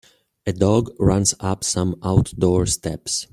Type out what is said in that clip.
A dog runs up some outdoor steps.